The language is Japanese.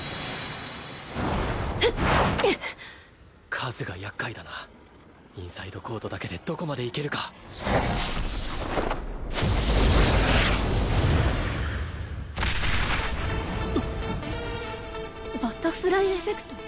数がやっかいだなインサイドコードだけでどこまでいけるかバタフライエフェクト？